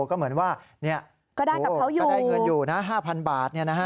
ก็เหมือนว่าเนี่ยกะได้เงินอยู่นะ๕๐๐๐บาทเนี่ยนะฮะ